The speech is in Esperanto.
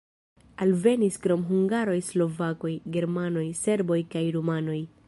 Alvenis krom hungaroj slovakoj, germanoj, serboj kaj rumanoj.